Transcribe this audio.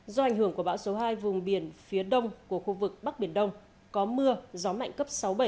do ảnh hưởng của bão số hai vùng biển phía đông của khu vực bắc biển đông có mưa gió mạnh cấp sáu bảy